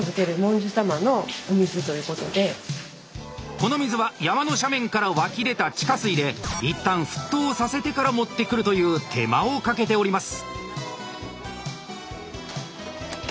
この水は山の斜面から湧き出た地下水で一旦沸騰させてから持ってくるという手間をかけております。